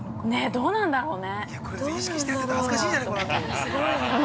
◆どうなんだろうね。